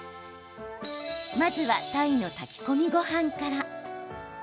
まずは、鯛の炊き込みごはんから。